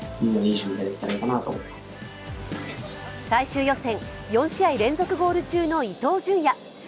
最終予選、４試合連続ゴール中の伊東純也。